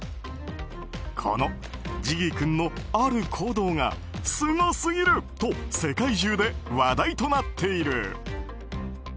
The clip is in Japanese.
このジギー君のある行動がすごすぎると世界中で話題となっている。